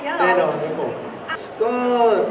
แล้วสมัครนี้ก็ไม่อยู่เรื่องของ